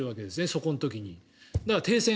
そこの時に。